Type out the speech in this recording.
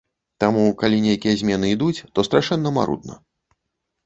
Таму, калі нейкія змены ідуць, то страшэнна марудна.